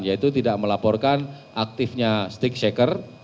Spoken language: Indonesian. yaitu tidak melaporkan aktifnya stick shaker